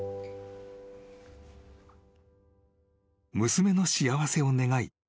［娘の幸せを願い